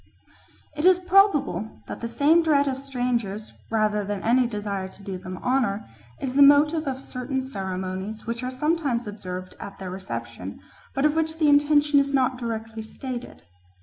It is probable that the same dread of strangers, rather than any desire to do them honour, is the motive of certain ceremonies which are sometimes observed at their reception, but of which the intention is not directly stated.